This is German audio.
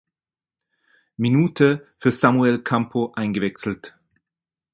Minute für Samuele Campo eingewechselt.